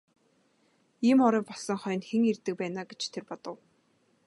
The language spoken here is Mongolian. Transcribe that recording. Ийм орой болсон хойно хэн ирдэг байна аа гэж тэр бодов.